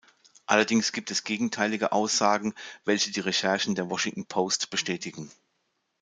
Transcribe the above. Allerdings gibt es gegenteilige Aussagen, welche die Recherchen der "Washington Post" bestätigen.